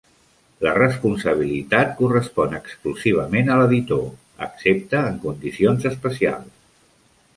La responsabilitat correspon exclusivament a l'editor, excepte en condicions especials.